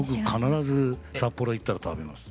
僕必ず札幌行ったら食べます。